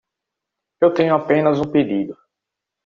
Eu tenho apenas um pedido